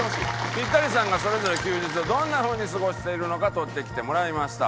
ピッタリさんがそれぞれ休日をどんな風に過ごしているのか撮ってきてもらいました。